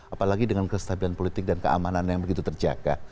apalagi dengan kestabilan politik dan keamanan yang begitu terjaga